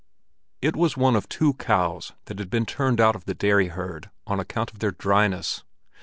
It was one of two cows that had been turned out of the dairy herd on account of their dryness.